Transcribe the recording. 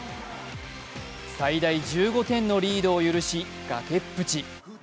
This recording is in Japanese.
最大１５点のリードを許し、崖っぷち。